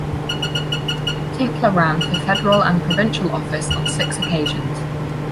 Tinkler ran for federal and provincial office on six occasions.